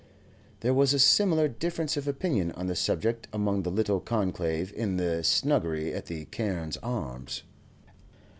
There was a similar difference of opinion on the subject among the little conclave in the snuggery at the "Carne's Arms."